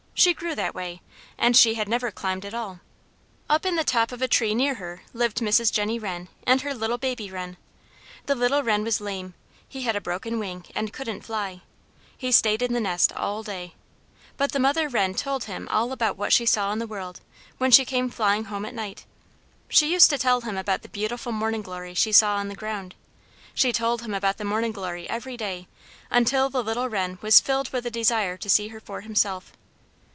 She grew that way, and she had never climbed at all. Up in the top of a tree near her lived Mrs Jennie Wren and her little baby Wren. The little Wren was lame; he had a broken wing and couldn't fly. He stayed in the nest all day. But the mother Wren told him all about what she saw in the world, when she came flying home at night. She used to tell him about the beautiful Morning Glory she saw on the ground. She told him about the Morning Glory every day, until the little Wren was filled with a desire to see her for himself.